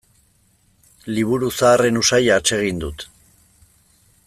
Liburu zaharren usaina atsegin dut.